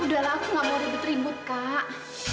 udah lah aku nggak mau ribet ribet kak